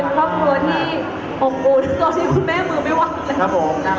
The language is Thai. น่ารักจริงเลยเป็นครอบครัวที่อบอุ่นตัวที่คุณแม่มือไม่ว่างแล้ว